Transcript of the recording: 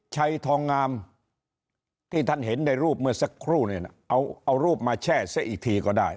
ชัยทองงามที่ท่านเห็นในรูปเมื่อสักครู่เนี่ยนะเอารูปมาแช่ซะอีกทีก็ได้